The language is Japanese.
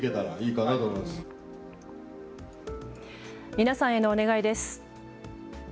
皆さんへのお願いです。